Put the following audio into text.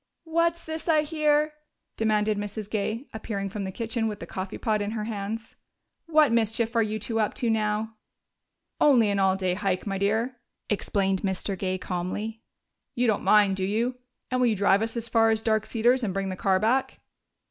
"What's this I hear?" demanded Mrs. Gay, appearing from the kitchen with the coffee pot in her hands. "What mischief are you two up to now?" "Only an all day hike, my dear," explained Mr. Gay calmly. "You don't mind, do you? And will you drive us as far as Dark Cedars and bring the car back?"